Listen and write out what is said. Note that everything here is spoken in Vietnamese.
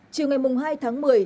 chiều ngày hai tháng một mươi